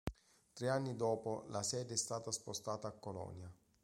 Tre anni dopo la sede è stata spostata a Colonia.